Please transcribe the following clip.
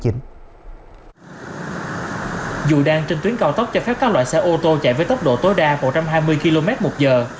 dù đang trên tuyến cao tốc cho phép các loại xe ô tô chạy với tốc độ tối đa một trăm hai mươi km một giờ